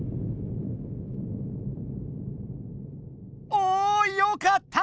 おおよかった！